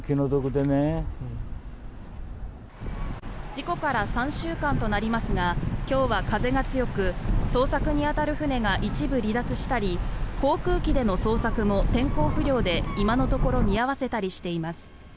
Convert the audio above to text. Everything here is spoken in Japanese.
事故から３週間となりますが今日は風が強く捜索に当たる船が一部離脱したり航空機での捜索も天候不良で今のところ見合わせたりしています。